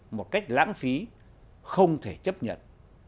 một cách lãng phí không thể chấp nhận